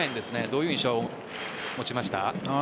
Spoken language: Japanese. どういう印象を持ちましたか？